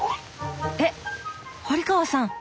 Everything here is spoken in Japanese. えっ堀川さん？